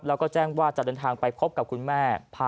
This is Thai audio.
แล้วก็แจ้งว่าจะเดินทางไปพบกับคุณแม่